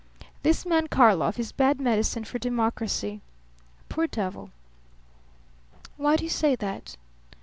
This man Karlov is bad medicine for democracy. Poor devil!" "Why do you say that?"